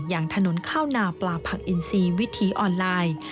อย่างถนนข้าวนาปลาผักอินซีวิถีออนไลน์